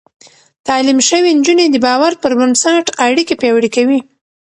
تعليم شوې نجونې د باور پر بنسټ اړيکې پياوړې کوي.